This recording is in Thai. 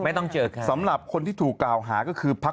อย่างพวกนี้เขาจะห่างกัน